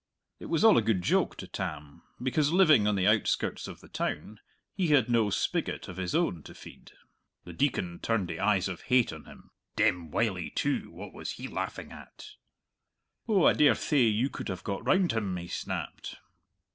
(It was all a good joke to Tam, because, living on the outskirts of the town, he had no spigot of his own to feed.) The Deacon turned the eyes of hate on him. Demn Wylie too what was he laughing at! "Oh, I dare thay you could have got round him!" he snapped.